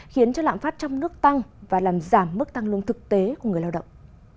khiến cho lạm phát trong nước tăng và làm giảm mức tăng lương thực tế của người lao động